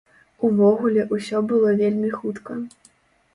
Увогуле ўсё было вельмі хутка.